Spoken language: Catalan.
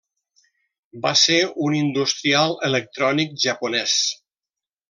Va ser un industrial electrònic japonès.